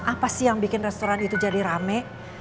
apa sih yang bikin restoran itu jadi rame